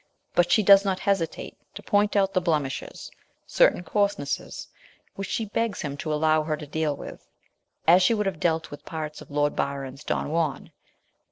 But she does not hesitate to point out the blemishes, certain coarsenesses, which she begs him to allow her to deal with, as she would have dealt with parts of Lord Byron's Don Juan.